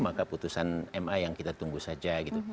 maka putusan ma yang kita tunggu saja gitu